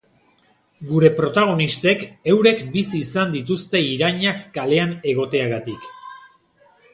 Gure protagonistek eurek bizi izan dituzte irainak kalean egoteagatik.